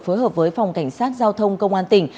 phối hợp với phòng cảnh sát giao thông công an tỉnh